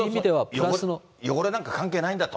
汚れなんか関係ないんだと。